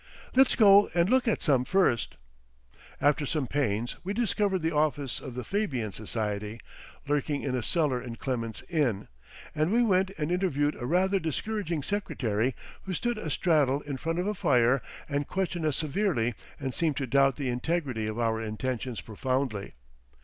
"Let's go and look at some first." After some pains we discovered the office of the Fabian Society, lurking in a cellar in Clement's Inn; and we went and interviewed a rather discouraging secretary who stood astraddle in front of a fire and questioned us severely and seemed to doubt the integrity of our intentions profoundly.